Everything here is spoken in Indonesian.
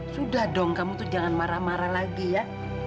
sudah dong kamu tuh jangan marah marah lagi ya